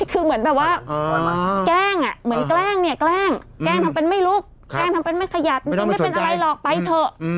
คือเหมือนแบบว่าแกล้งอ่ะเหมือนแกล้งเนี่ยแกล้งแกล้งทำเป็นไม่ลุกแกล้งทำเป็นไม่ขยับจริงไม่เป็นอะไรหรอกไปเถอะ